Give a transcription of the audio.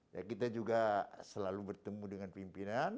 ya kita juga selalu bertemu dengan pimpinan